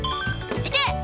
いけ！